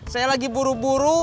saya lagi buru buru